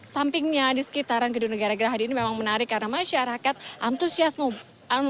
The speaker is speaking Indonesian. sampingnya di sekitaran gedung negara gerahadi ini memang menarik karena masyarakat antusiasme